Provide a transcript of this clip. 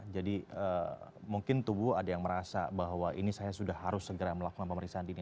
jadi mungkin tubuh ada yang merasa bahwa ini saya sudah harus segera melakukan pemeriksaan diri